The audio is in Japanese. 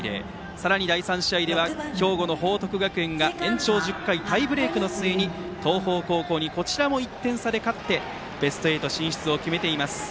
さらに第３試合では兵庫の報徳学園が延長１０回、タイブレークの末に東邦高校にこちらも１点差で勝ってベスト８進出を決めています。